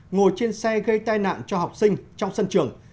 ngồi trên xe gây tai nạn cho học sinh trong sân trường